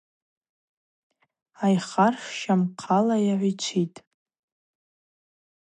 Айхарш щамхъала йагӏвичвитӏ.